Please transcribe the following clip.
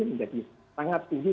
menjadi sangat tinggi